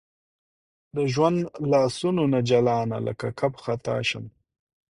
د ژوند لاسونو نه جلانه لکه کب خطا شم